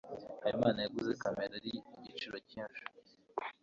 habimana yaguze kamera yari igiciro cyinshi